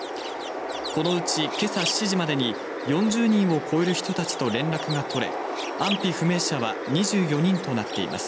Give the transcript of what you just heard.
このうち今朝７時までに４０人を超える人たちと連絡が取れ、安否不明者は２４人となっています。